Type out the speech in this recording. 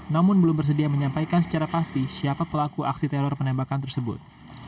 namun belum bersedia menyampaikan secara pasti siapa pelaku aksi teror penembakan tersebut